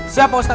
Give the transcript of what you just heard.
siap pak ustadz